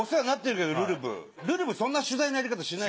そんな取材のやり方しない。